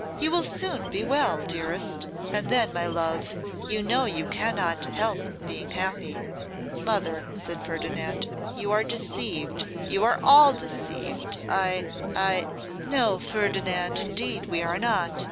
You will soon be well, dearest, and then, my love, you know you cannot help being happy.' 'Mother,' said Ferdinand, 'you are deceived; you are all deceived: I I ' 'No! Ferdinand, indeed we are not.